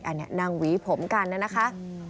อันนี้นั่งหวีผมกันนะคะ